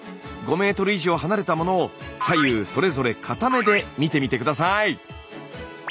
５ｍ以上離れたものを左右それぞれ片目で見てみて下さい。